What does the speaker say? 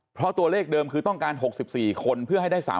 เพราะตัวเลขเดิมคือต้องการ๖๔คนเพื่อให้ได้๓๐